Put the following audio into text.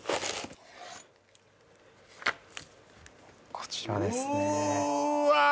こちらですねうーわー